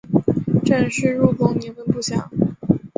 郑氏入宫年份不详。